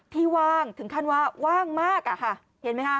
ว่างถึงขั้นว่าว่างมากอะค่ะเห็นไหมคะ